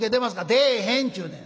「出えへんちゅうねん。